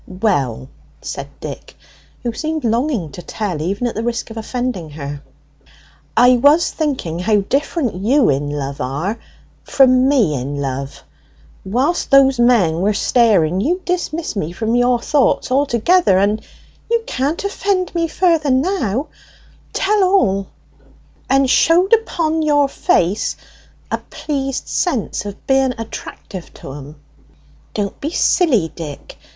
"Well," said Dick, who seemed longing to tell, even at the risk of offending her, "I was thinking how different you in love are from me in love. Whilst those men were staring, you dismissed me from your thoughts altogether, and " "You can't offend me further now; tell all!" "And showed upon your face a pleased sense of being attractive to 'em." "Don't be silly, Dick!